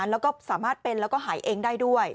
แล้วก็สามารถเป็นแล้วก็หายเองได้ด้วย